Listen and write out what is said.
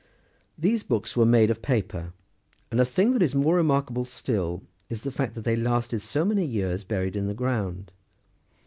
These books were made of paper, and, a thing that is more remarkable still, is the fact that they lasted so many years buried in the ground.